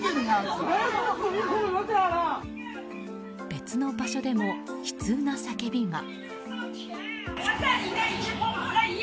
別の場所でも悲痛な叫びが。